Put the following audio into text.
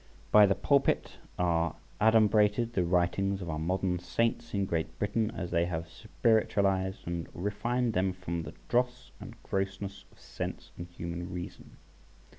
By the Pulpit are adumbrated the writings of our modern saints in Great Britain, as they have spiritualised and refined them from the dross and grossness of sense and human reason.